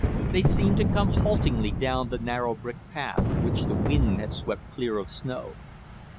They seemed to come haltingly down the narrow brick path which the wind had swept clear of snow.